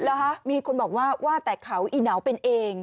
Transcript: แล้วมีคนบอกว่าว่าแตกเขาอีหนาวเป็นเอง